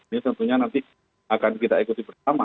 ini tentunya nanti akan kita ikuti bersama